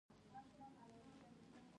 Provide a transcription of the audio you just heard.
لړم کې هوا سړه کیږي او خلک ګرمې جامې اغوندي.